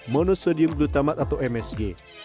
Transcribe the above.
monosodium glutamate atau msg